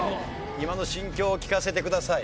今の心境を聞かせてください。